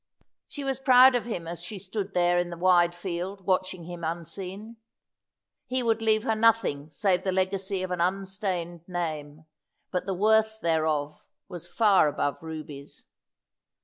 She was proud of him as she stood there in the wide field watching him unseen. He would leave her nothing save the legacy of an unstained name, but the worth thereof was far above rubies.